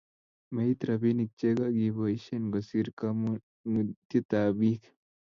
Meit robinik che kakiboisie kosir komonutietab bik